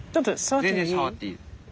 全然触っていい。